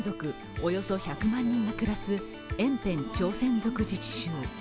およそ１００万人が暮らす延辺朝鮮族自治州。